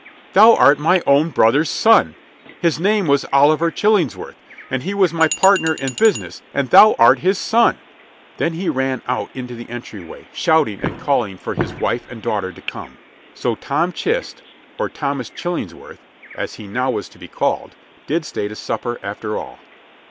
Thou art my own brother's son. His name was Oliver Chillingsworth, and he was my partner in business, and thou art his son." Then he ran out into the entryway, shouting and calling for his wife and daughter to come. So Tom Chist or Thomas Chillingsworth, as he now was to be called did stay to supper, after all.